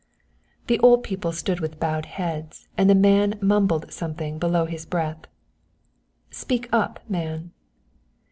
The old people stood with bowed heads and the man mumbled something below his breath. "Speak up, man."